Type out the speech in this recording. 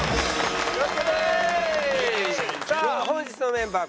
さあ本日のメンバー